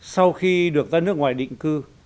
sau khi được ra nước ngoài định cư